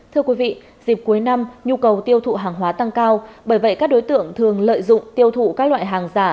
thưa quý vị dịp cuối năm nhu cầu tiêu thụ hàng hóa tăng cao bởi vậy các đối tượng thường lợi dụng tiêu thụ các loại hàng giả